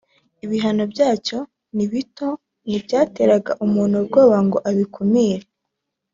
ibihano byacyo ni bito ntibyateraga umuntu ubwoba ngo abikumire